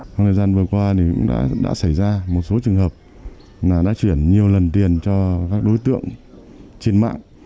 trong thời gian vừa qua cũng đã xảy ra một số trường hợp là đã chuyển nhiều lần tiền cho các đối tượng trên mạng